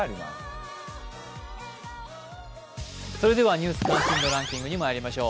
「ニュース関心度ランキング」にまいりましょう。